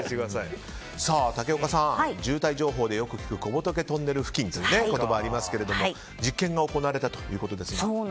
竹岡さん、渋滞情報でよく聞く小仏トンネル付近という言葉がありますが実験が行われたということですが。